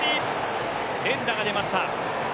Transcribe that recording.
連打が出ました。